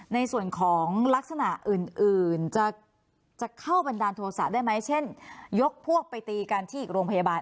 ในส่วนของลักษณะอื่นจะเข้าบันดาลโทษะได้ไหมเช่นยกพวกไปตีกันที่อีกโรงพยาบาล